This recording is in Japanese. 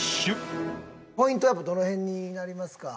ポイントはどの辺になりますか？